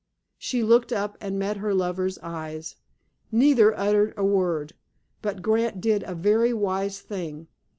She looked up and met her lover's eyes. Neither uttered a word, but Grant did a very wise thing.